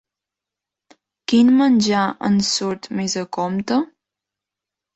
Quin menjar ens surt més a compte?